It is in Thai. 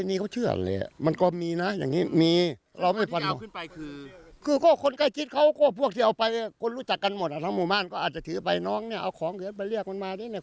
เมื่อพระเขาเล่นมาแล้วลูกอาจจะเป็นไปได้